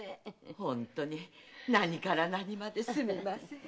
本当に何から何まですみません。